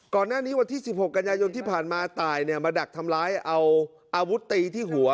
ก่อนหน้านี้วันที่๑๖กันยายนที่ผ่านมาตายมาดักทำร้ายเอาอาวุธตีที่หัว